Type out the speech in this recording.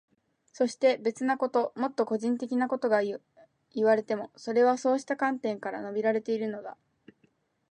そして、別なこと、もっと個人的なことがいわれていても、それはそうした観点から述べられているのだ。